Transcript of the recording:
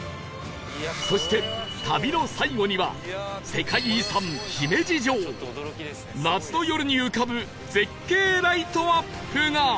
そして旅の最後には世界遺産姫路城夏の夜に浮かぶ絶景ライトアップが